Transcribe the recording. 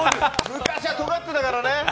昔はとがってたからね。